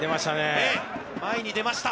前に出ましたね。